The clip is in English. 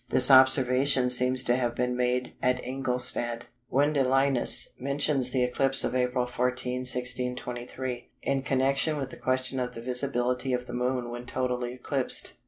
This observation seems to have been made at Ingolstadt. Wendelinus mentions the eclipse of April 14, 1623, in connection with the question of the visibility of the Moon when totally eclipsed.